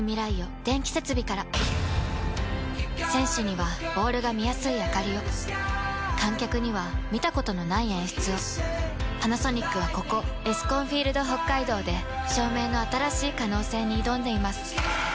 選手にはボールが見やすいあかりを観客には見たことのない演出をパナソニックはここエスコンフィールドＨＯＫＫＡＩＤＯで照明の新しい可能性に挑んでいます